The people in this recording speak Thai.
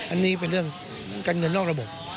อันนี้เป็นเรื่องการเงินนอกระบบ